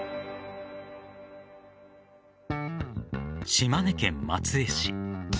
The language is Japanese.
島根県松江市。